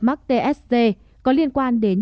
mắc tsd có liên quan đến